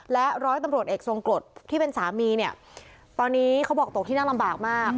และร้อยตำรวจเอกทรงกรดที่เป็นสามีเนี่ยตอนนี้เขาบอกตกที่นั่งลำบากมาก